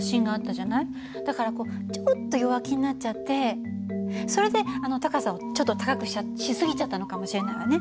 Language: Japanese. だからこうちょっと弱気になっちゃってそれで高さをちょっと高くし過ぎちゃったのかもしれないわね。